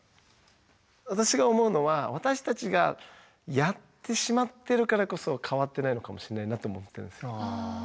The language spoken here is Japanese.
私が思うのは私たちがやってしまってるからこそ変わってないのかもしれないなと思ってるんですよ。